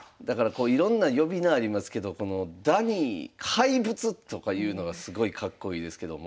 いろんな呼び名ありますけどこの「ダニー」「怪物」とかいうのがすごいかっこいいですけども。